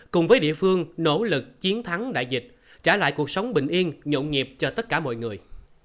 cùng với địa phương nỗ lực chiến thắng đại dịch trả lại cuộc sống bình yên nhộn nhịp cho tất cả mọi người